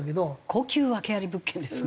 高級訳あり物件ですね。